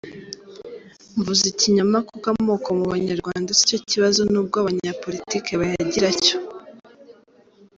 Mvuze Ikinyoma kuko amoko mu banyarwanda si cyo kibazo n’ubwo abanyapolitike bayagira cyo!